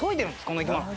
この生き物。